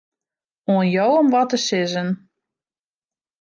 Oan jo om wat te sizzen.